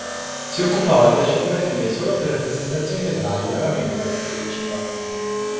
Si occupava della scenografia solo per rappresentazioni teatrali, raramente la praticò in cinema.